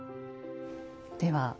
では。